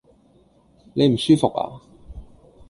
你唔舒服呀？